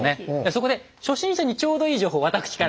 そこで初心者にちょうどいい情報をわたくしから。